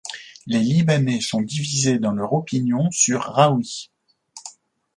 Les Libanais sont divisés dans leurs opinions sur Hraoui.